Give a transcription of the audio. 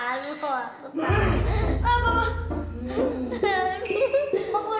enggak tambahkan tuhan